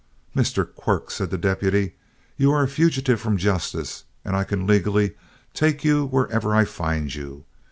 "Mr. Quirk," said the deputy, "you are a fugitive from justice, and I can legally take you wherever I find you.